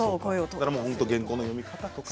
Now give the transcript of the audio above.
原稿の読み方とか。